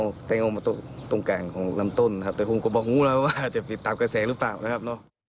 ของลำต้นครับแต่คุณก็บอกว่าจะติดตามกับแสงหรือเปล่านะครับ